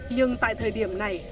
nhưng tại thời điểm này